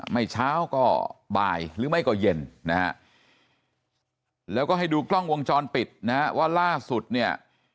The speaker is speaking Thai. ไม่เช้าก็บ่ายหรือไม่ก็เย็นนะฮะแล้วก็ให้ดูกล้องวงจรปิดนะฮะว่าล่าสุดเนี่ย